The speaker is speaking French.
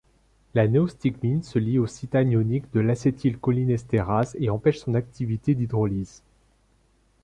La néostigmine se lie au site anionique de l'acétylcholinésterase et empêche son activité d'hydrolyse.